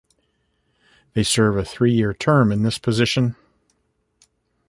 They serve a three-year term in this position.